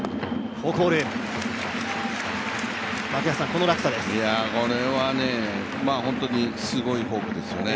これは本当にすごいフォークですよね。